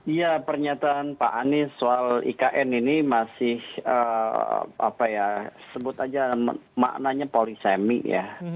iya pernyataan pak anies soal ikn ini masih apa ya sebut aja maknanya polisemi ya